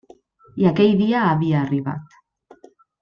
I aquell dia havia arribat.